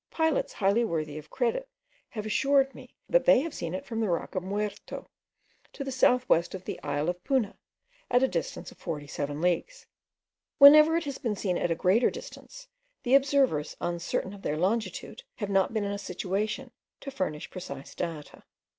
Pilots highly worthy of credit have assured me, that they have seen it from the rock of Muerto, to the south west of the isle of Puna, at a distance of 47 leagues. Whenever it has been seen at a greater distance, the observers, uncertain of their longitude, have not been in a situation to furnish precise data.